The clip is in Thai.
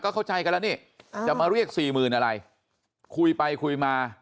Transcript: เข้าใจกันแล้วนี่จะมาเรียกสี่หมื่นอะไรคุยไปคุยมา